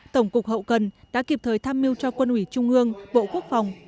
tổng cục hậu cần đã kịp thời tham mưu cho quân ủy trung ương bộ quốc phòng